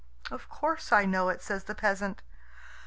"Of course I know it," says the peasant.